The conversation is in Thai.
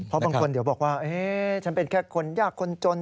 เพราะบางคนเดี๋ยวบอกว่าฉันเป็นแค่คนยากคนจน